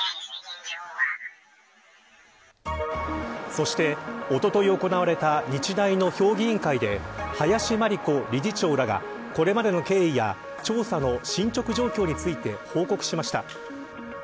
そして、おととい行われた日大の評議員会で林真理子理事長らがこれまでの経緯や調査の進捗状況について報告しました。